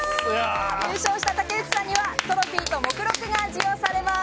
優勝した武内さんには、トロフィーと目録が授与されます。